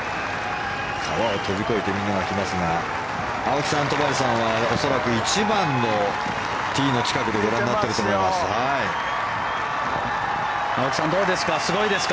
川を飛び越えてみんなが来ますが青木さん、戸張さんは恐らく１番のティーの近くでご覧になっていると思います。